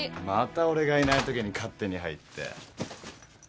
また俺がいないときに勝手に入って。